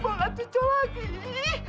mau gak cucok lagi